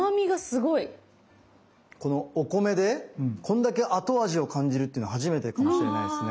お米でこんだけ後味を感じるってのは初めてかもしれないですね。